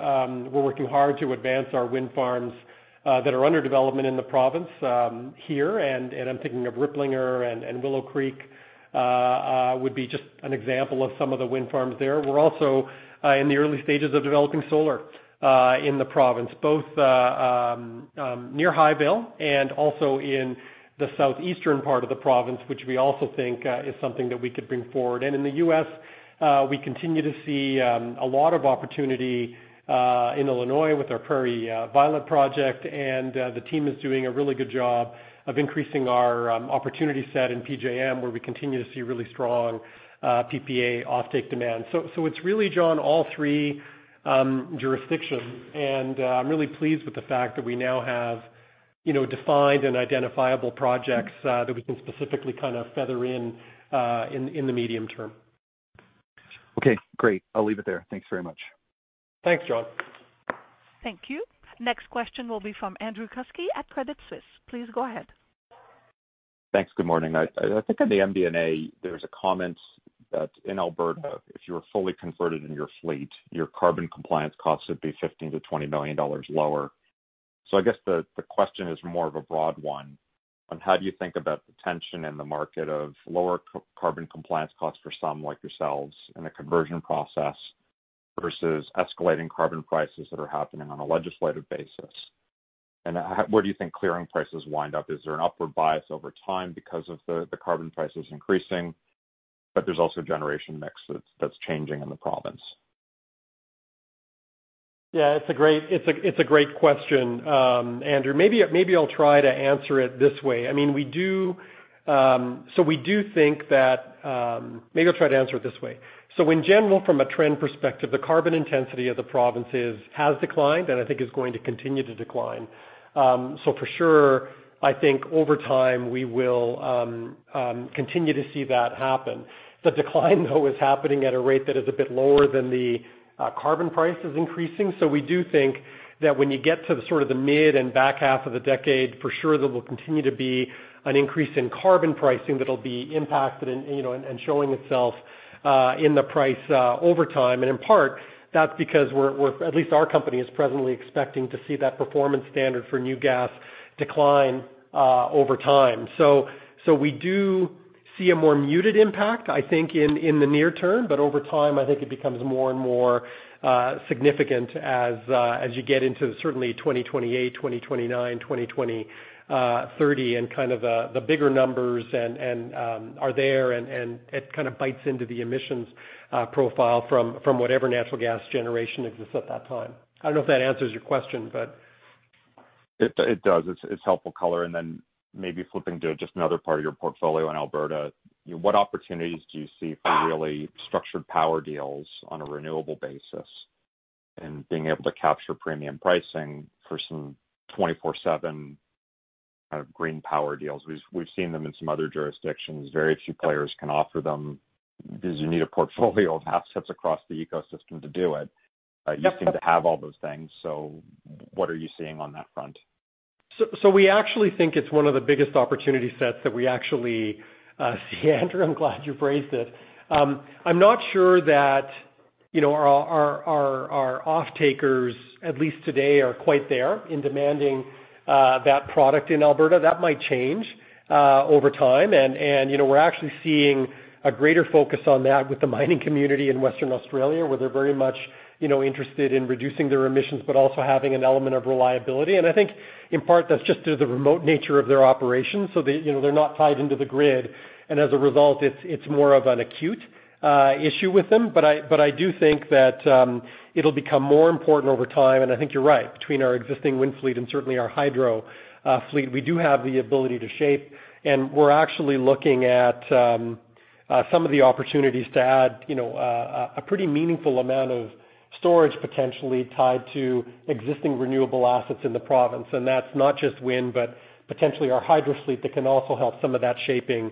We're working hard to advance our wind farms that are under development in the province here, I'm thinking of Riplinger and Willow Creek would be just an example of some of the wind farms there. We're also in the early stages of developing solar in the province, both near Highvale and also in the southeastern part of the province, which we also think is something that we could bring forward. In the U.S., we continue to see a lot of opportunity in Illinois with our Prairie Violet project, and the team is doing a really good job of increasing our opportunity set in PJM, where we continue to see really strong PPA offtake demand. It's really, John, all three jurisdictions, and I'm really pleased with the fact that we now have defined and identifiable projects that we can specifically kind of feather in in the medium term. Okay, great. I'll leave it there. Thanks very much. Thanks, John. Thank you. Next question will be from Andrew Kuske at Credit Suisse. Please go ahead. Thanks. Good morning. I think in the MD&A, there's a comment that in Alberta, if you were fully converted in your fleet, your carbon compliance costs would be 15 million-20 million dollars lower. I guess the question is more of a broad one on how do you think about the tension in the market of lower carbon compliance costs for some like yourselves in a conversion process versus escalating carbon prices that are happening on a legislative basis. Where do you think clearing prices wind up? Is there an upward bias over time because of the carbon prices increasing, but there's also generation mix that's changing in the province? Yeah, it's a great question, Andrew. Maybe I'll try to answer it this way. In general, from a trend perspective, the carbon intensity of the province has declined, and I think is going to continue to decline. For sure, I think over time we will continue to see that happen. The decline, though, is happening at a rate that is a bit lower than the carbon price is increasing. We do think that when you get to the mid and back half of the decade, for sure there will continue to be an increase in carbon pricing that'll be impacted and showing itself in the price over time. In part, that's because, at least our company, is presently expecting to see that performance standard for new gas decline over time. We do see a more muted impact, I think, in the near term. Over time, I think it becomes more and more significant as you get into certainly 2028, 2029, 2030 and the bigger numbers are there, and it kind of bites into the emissions profile from whatever natural gas generation exists at that time. I don't know if that answers your question? It does. It's helpful color. Then maybe flipping to just another part of your portfolio in Alberta, what opportunities do you see for really structured power deals on a renewable basis and being able to capture premium pricing for some 24/7 kind of green power deals? We've seen them in some other jurisdictions. Very few players can offer them because you need a portfolio of assets across the ecosystem to do it. Yep. You seem to have all those things. What are you seeing on that front? We actually think it's one of the biggest opportunity sets that we actually see, Andrew, I'm glad you phrased it. I'm not sure that, you know, our off-takers, at least today, are quite there in demanding that product in Alberta. That might change over time. We're actually seeing a greater focus on that with the mining community in Western Australia, where they're very much interested in reducing their emissions, but also having an element of reliability. I think in part that's just through the remote nature of their operations, so they're not tied into the grid, and as a result, it's more of an acute issue with them. I do think that it'll become more important over time, and I think you're right, between our existing wind fleet and certainly our hydro fleet, we do have the ability to shape, and we're actually looking at some of the opportunities to add a pretty meaningful amount of storage, potentially tied to existing renewable assets in the province. That's not just wind, but potentially our hydro fleet that can also help some of that shaping,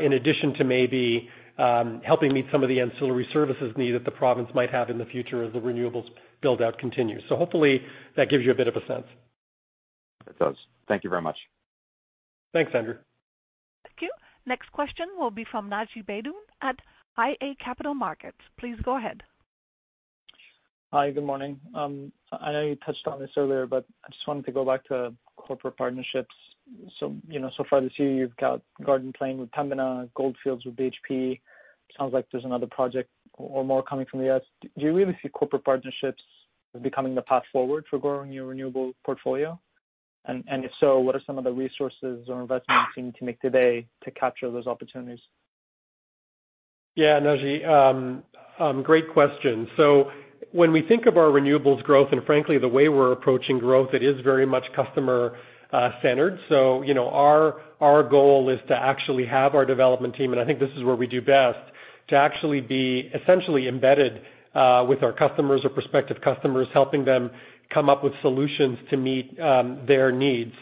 in addition to maybe helping meet some of the ancillary services need that the province might have in the future as the renewables build-out continues. Hopefully that gives you a bit of a sense. It does. Thank you very much. Thanks, Andrew. Thank you. Next question will be from Naji Baydoun at iA Capital Markets. Please go ahead. Hi. Good morning. I know you touched on this earlier, but I just wanted to go back to corporate partnerships. So far this year you've got Garden Plain with Pembina, Goldfields with BHP. Sounds like there's another project or more coming from the U.S. Do you really see corporate partnerships becoming the path forward for growing your renewable portfolio? If so, what are some of the resources or investments you need to make today to capture those opportunities? Yeah, Naji, great question. When we think of our renewables growth, and frankly the way we're approaching growth, it is very much customer-centered. Our goal is to actually have our development team, and I think this is where we do best, to actually be essentially embedded with our customers or prospective customers, helping them come up with solutions to meet their needs.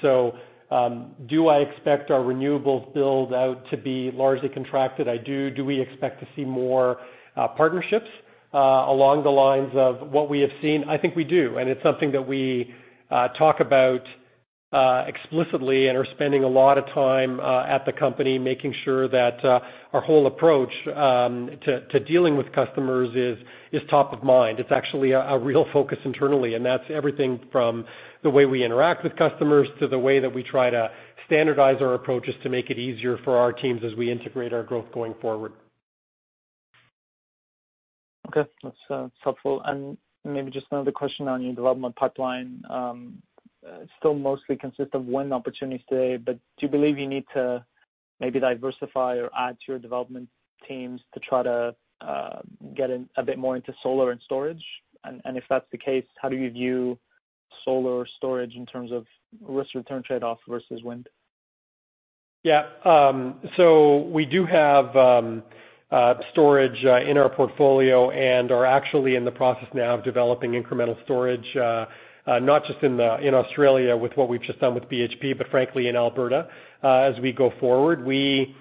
Do I expect our renewables build-out to be largely contracted? I do. Do we expect to see more partnerships along the lines of what we have seen? I think we do, and it's something that we talk about explicitly and are spending a lot of time at the company making sure that our whole approach to dealing with customers is top of mind. It's actually a real focus internally, and that's everything from the way we interact with customers to the way that we try to standardize our approaches to make it easier for our teams as we integrate our growth going forward. Okay. That's helpful. Maybe just another question on your development pipeline. It still mostly consists of wind opportunities today, but do you believe you need to maybe diversify or add to your development teams to try to get a bit more into solar and storage? If that's the case, how do you view solar storage in terms of risk return trade-off versus wind? Yeah. We do have storage, you know, in our portfolio and are actually in the process now of developing incremental storage, not just in, you know, Australia with what we've just done with BHP, but frankly in Alberta. As we go forward, we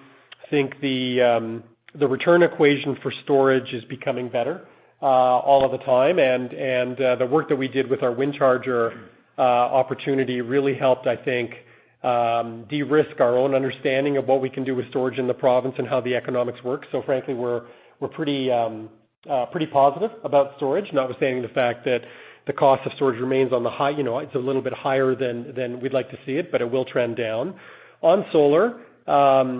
think the return equation for storage is becoming better all of the time, and the work that we did with our WindCharger opportunity really helped, I think, de-risk our own understanding of what we can do with storage in the province and how the economics work. Frankly, we're pretty positive about storage, notwithstanding the fact that the cost of storage remains on the high, you know. It's a little bit higher than we'd like to see it will trend down. On solar,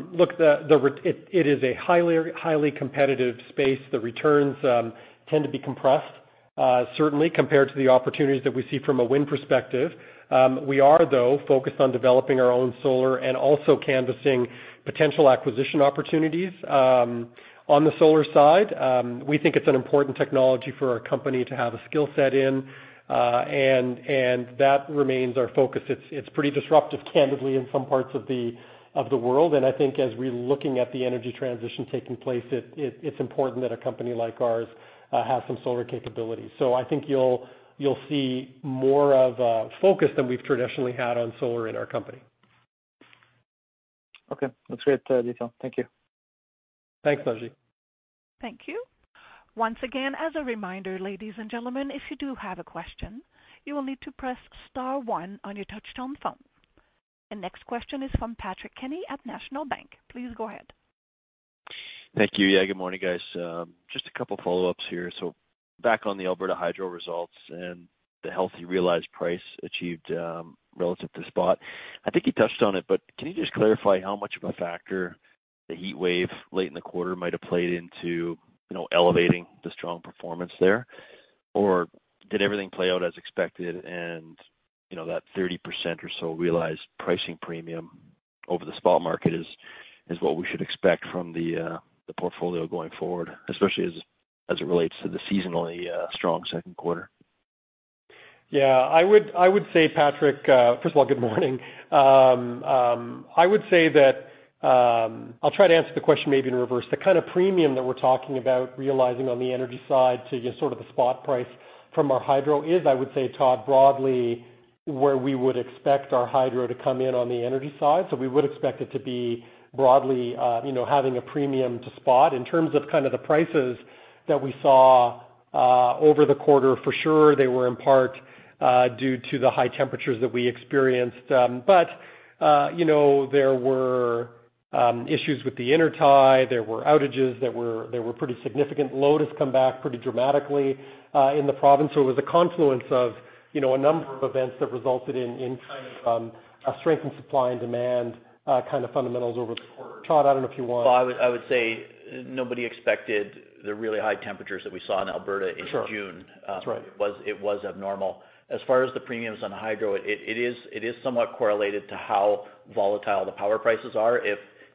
look, it is a highly competitive space. The returns tend to be compressed. Certainly compared to the opportunities that we see from a wind perspective. We are, though, focused on developing our own solar and also canvassing potential acquisition opportunities on the solar side. We think it's an important technology for our company to have a skill set in. That remains our focus. It's pretty disruptive, candidly, in some parts of the world. I think as we're looking at the energy transition taking place, it's important that a company like ours has some solar capability. I think you'll see more of a focus than we've traditionally had on solar in our company. Okay. That's great detail. Thank you. Thanks, Naji. Thank you. Once again, as a reminder, ladies and gentlemen, if you do have a question, you will need to press star one on your touch-tone phone. The next question is from Patrick Kenny at National Bank. Please go ahead. Thank you. Yeah, good morning, guys. Just a couple follow-ups here. Back on the Alberta Hydro results and the healthy realized price achieved relative to spot. I think you touched on it, but can you just clarify how much of a factor the heat wave late in the quarter might have played into elevating the strong performance there? Did everything play out as expected and that 30% or so realized pricing premium over the spot market is what we should expect from the portfolio going forward, especially as it relates to the seasonally strong second quarter? Yeah, I would say, Patrick. First of all, good morning. I would say that, I'll try to answer the question maybe in reverse. The kind of premium that we're talking about realizing on the energy side to just sort of the spot price from our hydro is, I would say, Todd, broadly, where we would expect our hydro to come in on the energy side. We would expect it to be broadly, you know, having a premium to spot. In terms of the prices that we saw over the quarter, for sure, they were in part due to the high temperatures that we experienced. You know, there were issues with the intertie. There were outages that were pretty significant. Load has come back pretty dramatically in the province. It was a confluence of a number of events that resulted in a strengthened supply and demand kind of fundamentals over. Todd, I don't know if you want Well, I would say nobody expected the really high temperatures that we saw in Alberta in June. That's right. It was abnormal. As far as the premiums on hydro, it is somewhat correlated to how volatile the power prices are.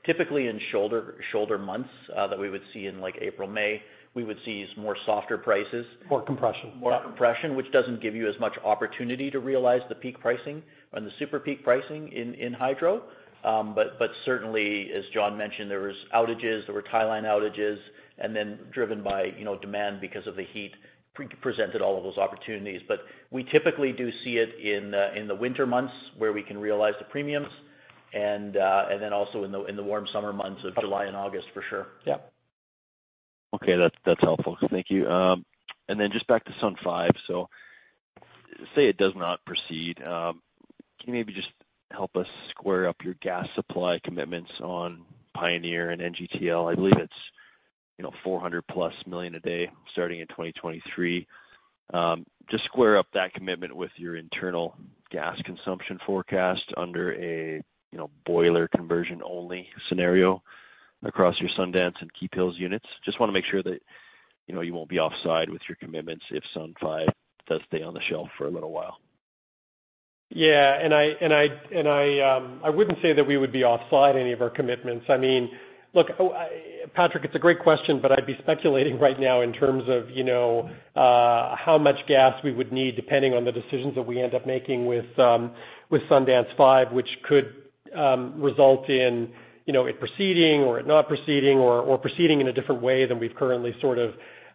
Typically, in shoulder months that we would see in April, May, we would see more softer prices. More compression. More compression, which doesn't give you as much opportunity to realize the peak pricing and the super peak pricing in hydro. Certainly, as John mentioned, there was outages, there were tie line outages, and then driven by demand because of the heat presented all of those opportunities. We typically do see it in the winter months where we can realize the premiums, and then also in the warm summer months of July and August, for sure. Yeah. Okay. That's helpful. Thank you. Just back to Sun 5. Say it does not proceed. Can you maybe just help us square up your gas supply commitments on Pioneer and NGTL? I believe it's 400+ million a day starting in 2023. Just square up that commitment with your internal gas consumption forecast under a boiler conversion-only scenario across your Sundance and Keephills units. Just want to make sure that you won't be offside with your commitments if Sun 5 does stay on the shelf for a little while. Yeah. I wouldn't say that we would be offside any of our commitments. Patrick, it's a great question, but I'd be speculating right now in terms of how much gas we would need, depending on the decisions that we end up making with Sundance 5, which could result in, you know, it proceeding or it not proceeding or proceeding in a different way than we've currently sort of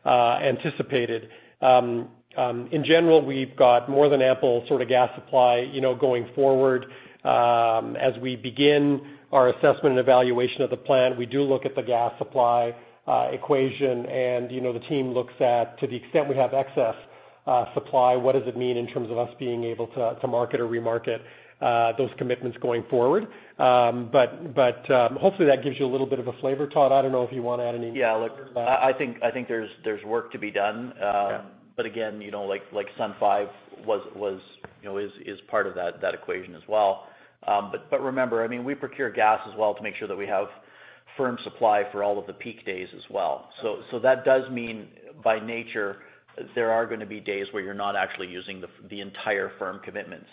anticipated. In general, we've got more than ample sort of gas supply going forward. As we begin our assessment and evaluation of the plan, we do look at the gas supply equation, and the team looks at, to the extent we have excess supply, what does it mean in terms of us being able to market or remarket those commitments going forward. Hopefully, that gives you a little bit of a flavor. Todd, I don't know if you want to add anything. Yeah, look, I think there's work to be done. Yeah. Again, like Sun 5 is part of that equation as well. Remember, we procure gas as well to make sure that we have firm supply for all of the peak days as well. That does mean, by nature, there are going to be days where you're not actually using the entire firm commitment.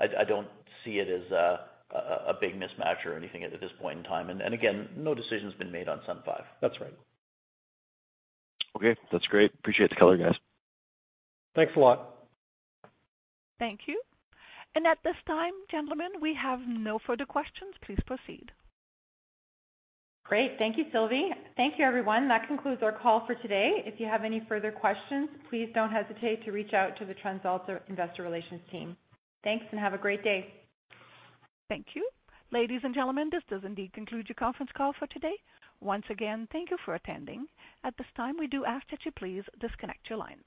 I don't see it as a big mismatch or anything at this point in time. Again, no decision's been made on Sun 5. That's right. Okay. That's great. Appreciate the color, guys. Thanks a lot. Thank you. At this time, gentlemen, we have no further questions. Please proceed. Great. Thank you, Sylvie. Thank you, everyone. That concludes our call for today. If you have any further questions, please don't hesitate to reach out to the TransAlta Investor Relations team. Thanks, and have a great day. Thank you. Ladies and gentlemen, this does indeed conclude your conference call for today. Once again, thank you for attending. At this time, we do ask that you please disconnect your lines.